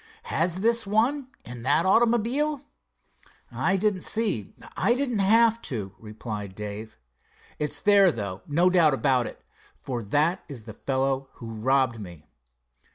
"Has this one, in that automobile?" "I didn't see. I didn't have to," replied Dave. "It's there, though, don't doubt it, for that is the fellow who robbed me."